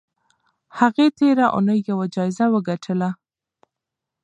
هغې تېره اونۍ یوه جایزه وګټله.